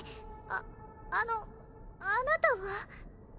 ああのあなたは？